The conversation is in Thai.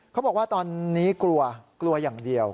เขาบอกว่าตอนนี้กลัวกลัวอย่างเดียว